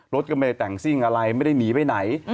รถก็ไม่ได้แต่งซิ่งอะไรไม่ได้หนีไปไหน